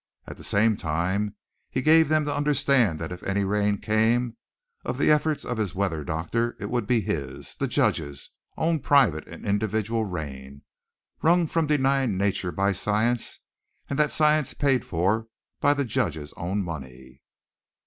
At the same time he gave them to understand that if any rain came of the efforts of his weather doctor it would be his, the judge's, own private and individual rain, wrung from denying nature by science, and that science paid for by the judge's own money.